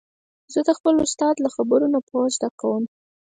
زه د خپل استاد د خبرو نه پوهه تر لاسه کوم.